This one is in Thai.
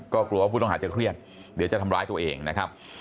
ก็กลัวว่าผู้ต้องหาจะเครียดเดี๋ยวจะทำร้ายตัวเองนะครับ